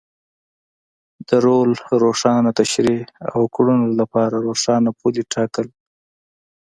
د رول روښانه تشرېح او کړنو لپاره روښانه پولې ټاکل.